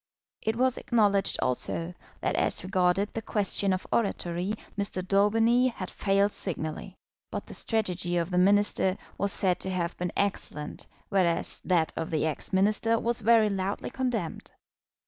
It was acknowledged also that as regarded the question of oratory Mr. Daubeny had failed signally. But the strategy of the Minister was said to have been excellent, whereas that of the ex Minister was very loudly condemned.